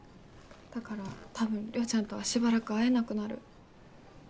だからたぶん涼ちゃんとはしばらく会えなくなる。